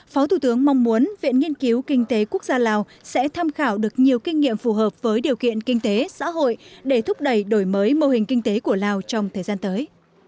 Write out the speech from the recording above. phó thủ tướng mong muốn viện nghiên cứu kinh tế quốc gia lào sẽ tham khảo được nhiều kinh nghiệm phù hợp với điều kiện kinh tế xã hội để thúc đẩy đổi mới mô hình kinh tế của lào trong thời gian tới